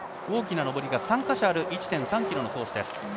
大きな上りが３か所ある１．３ｋｍのコースです。